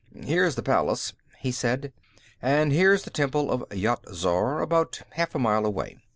"Here's the palace," he said. "And here's the temple of Yat Zar, about half a mile away."